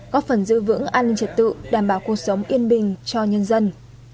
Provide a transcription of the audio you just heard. có phần giữ vững an ninh trật tự đảm bảo cuộc sống yên bình cho nhân dân